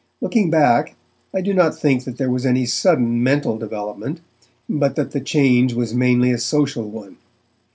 Looking back, I do not think that there was any sudden mental development, but that the change was mainly a social one.